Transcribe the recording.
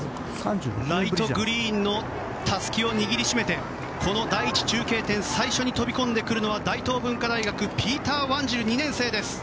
ライトグリーンのたすきを握りしめてこの第１中継点最初に飛び込んでくるのは大東文化大学のピーター・ワンジル２年生です。